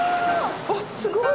あっすごい！